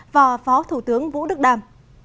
và phó thủ tướng vũ đức đàm